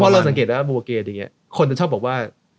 เพราะเหรอสังเกตว่าบูร์เกฟอย่างนี้คนที่ชอบบอกว่า